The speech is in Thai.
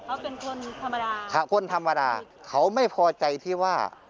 เขาเป็นคนธรรมดาค่ะคนธรรมดาเขาไม่พอใจที่ว่า